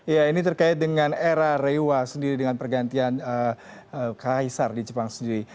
ya ini terkait dengan era rewa sendiri dengan pergantian kaisar di jepang sendiri